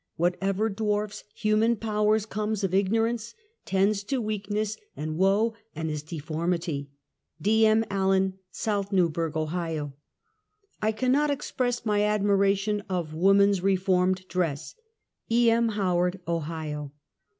What ever dwarfs human powers comes of ignorance, tends to weakness and woe, and is deformity. D. M. Allen, South ^ewburg, Ohio. I cannot express my admiration of woman's re formed dress. E. M. Howard, Ohio.